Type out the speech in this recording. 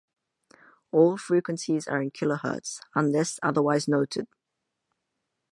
All frequencies are in kilohertz, unless otherwise noted.